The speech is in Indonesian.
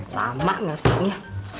lama ngerti ya